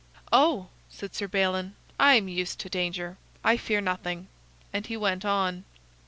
"Oh," said Sir Balin, "I am used to danger. I fear nothing," and he went on.